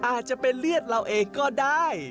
อาจจะเป็นเลือดเราเองก็ได้